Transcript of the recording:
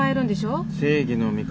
正義の味方。